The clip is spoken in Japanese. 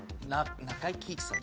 中井貴一さん